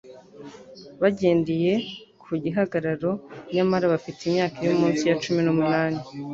bagendeye ku gihagararo nyamara bafite imyaka iri munsi ya cumi numunani